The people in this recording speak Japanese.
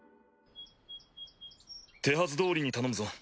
手はずどおりに頼むぞ。